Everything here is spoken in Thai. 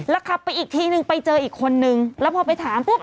ขับไปอีกทีนึงไปเจออีกคนนึงแล้วพอไปถามปุ๊บ